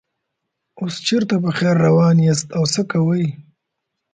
اوس چېرته په خیر روان یاست او څه کوئ.